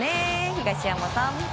東山さん。